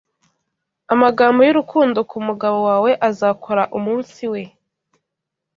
amagambo y'urukundo kumugabo wawe azakora umunsi we